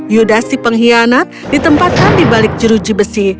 yudhasi pengkhianat ditempatkan di balik jeruji besi